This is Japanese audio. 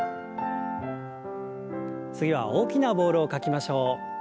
次は大きなボールを描きましょう。